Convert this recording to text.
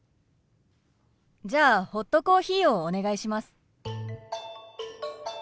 じゃあホットコーヒーをお願いします。